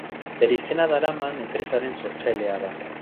Bere izena daraman enpresaren sortzailea da.